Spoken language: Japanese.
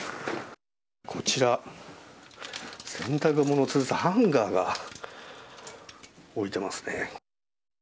こちら、洗濯物をつるすハンガーが置いていますね。